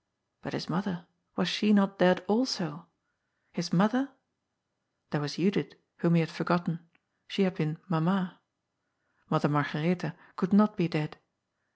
But his mother, was she not dead also ? His mother ? There was Judith, whom he had forgotten. She had been '^ Mam ma." Mother Margaretha could not be dead.